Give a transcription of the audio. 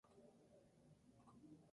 What Are You Having?